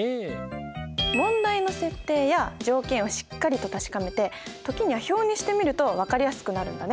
問題の設定や条件をしっかりと確かめてときには表にしてみるとわかりやすくなるんだね。